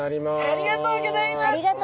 ありがとうございます。